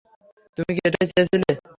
তুমি কি এটাই চেয়েছিলে?